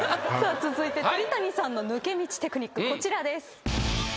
続いて鳥谷さんの抜け道テクニックこちらです。